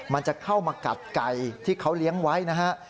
มันจะเข้ามากัดไก่ที่เขาเลี้ยงไว้นะฮะ